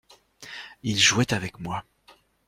Il jouait avec moi.